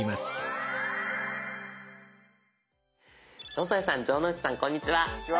「野添さん城之内さんこんにちは」。